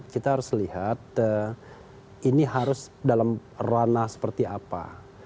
kita harus lihat ini harus dalam ranah seperti apa